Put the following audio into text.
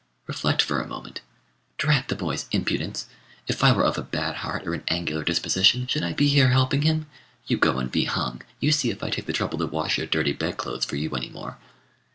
Reflect for a moment. "Drat the boy's impudence! If I were of a bad heart or an angular disposition, should I be here helping him? You go and be hung! You see if I take the trouble to wash your dirty bedclothes for you any more."